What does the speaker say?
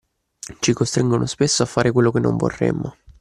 Ci costringono spesso a fare quello che non vorremmo